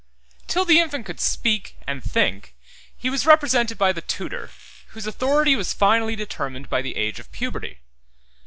Till the infant could speak, and think, he was represented by the tutor, whose authority was finally determined by the age of puberty.